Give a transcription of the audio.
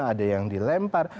ada yang dilempar